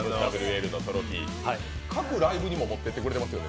各ライブにも持っていってくださっていますよね。